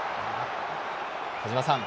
小島さん。